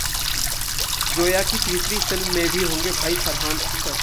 जोया की तीसरी फिल्म में भी होंगे भाई फरहान अख्तर